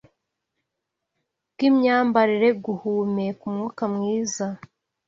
bw’imyambarire, guhumeka umwuka mwiza